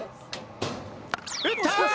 打った！